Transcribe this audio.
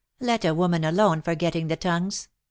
Let a woman alone for getting the tongues.